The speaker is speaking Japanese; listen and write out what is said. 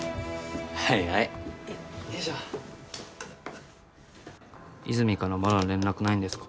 はいはいよいしょ和泉からまだ連絡ないんですか？